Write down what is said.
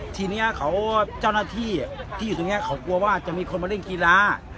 ทีนี้เจ้าหน้าที่ที่อยู่ตรงนี้เขากลัวว่าจะมีคนมาเล่นกีฬา